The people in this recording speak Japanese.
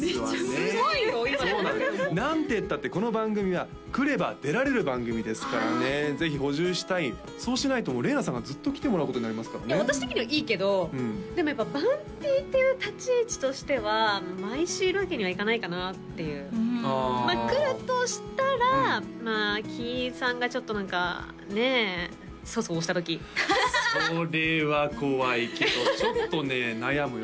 すごいよ今のだけでも何てったってこの番組は来れば出られる番組ですからねぜひ補充したいそうしないとれいなさんがずっと来てもらうことになりますからねいや私的にはいいけどでもやっぱ番Ｐっていう立ち位置としては毎週いるわけにはいかないかなっていううんまあ来るとしたらまあキイさんがちょっと何かね粗相したときそれは怖いけどちょっとね悩むよ